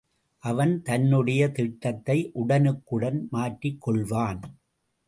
அவன் தன்னுடைய திட்டத்தை உடனுக்குடன் மாற்றிக் கொள்வான்.